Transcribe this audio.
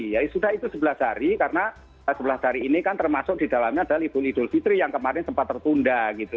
ya sudah itu sebelas hari karena sebelas hari ini kan termasuk di dalamnya adalah ibu idul fitri yang kemarin sempat tertunda gitu